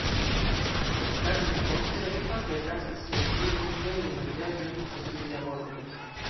Sep tagojn poste la gepatroj lasas siajn idojn preni manĝaĵon el ilia gorĝo.